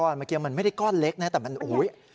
เมื่อกี้มันไม่ได้ก้อนเล็กนะแต่มันโอ้โห